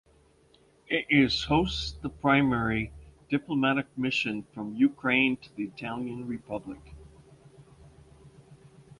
It is hosts the primary diplomatic mission from Ukraine to the Italian Republic.